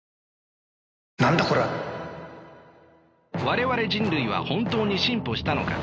我々人類は本当に進歩したのか。